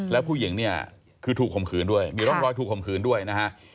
แล้วผู้หญิงเนี่ยคือถูกข่มขืนด้วยมีร่องรอยถูกข่มขืนด้วยนะฮะ